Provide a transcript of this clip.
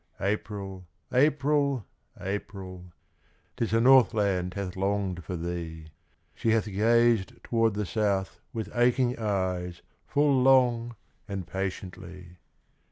April! April! April! 'Tis the Northland hath longed for thee, She hath gazed toward the South with aching eyes Full long and patiently.